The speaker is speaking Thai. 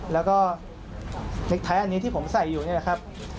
แล้วก็เลขท้ายอันนี้ที่ผมใส่อยู่นี่แหละครับ